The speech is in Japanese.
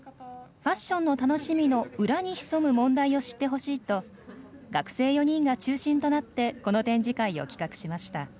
ファッションの楽しみの裏に潜む問題を知って欲しいと学生４人が中心となってこの展示会を企画しました。